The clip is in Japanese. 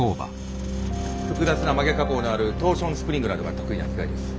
複雑な曲げ加工のあるトーションスプリングなどが得意な機械です。